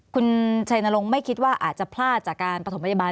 คุณชัยนรงค์ไม่คิดว่าอาจจะพลาดจากการประถมพยาบาล